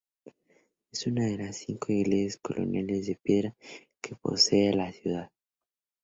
Es una de las cinco iglesias coloniales de piedra que posee la ciudad.